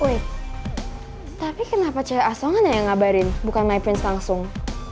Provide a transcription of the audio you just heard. tunggu tapi kenapa c a songet yang ngabarin bukan my prince langsung